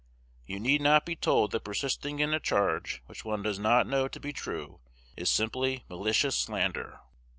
You need not be told that persisting in a charge which one does not know to be true is simply malicious slander.